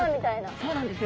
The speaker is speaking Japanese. そうなんですよ。